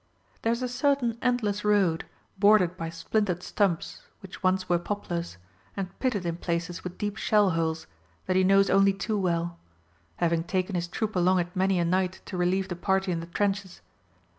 There is a certain endless road, bordered by splintered stumps which once were poplars, and pitted in places with deep shell holes, that he knows only too well; having taken his troop along it many a night to relieve the party in the trenches.